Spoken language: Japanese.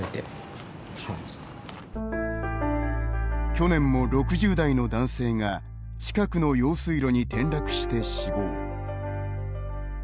去年も６０代の男性が近くの用水路に転落して死亡。